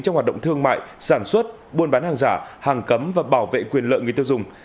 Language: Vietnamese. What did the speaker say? trong hoạt động thương mại sản xuất buôn bán hàng giả hàng cấm và bảo vệ quyền lợi người tiêu dùng